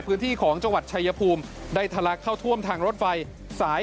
พื้นที่ของจังหวัดชายภูมิได้ทะลักเข้าท่วมทางรถไฟสาย